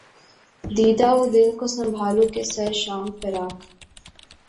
دیدہ و دل کو سنبھالو کہ سر شام فراق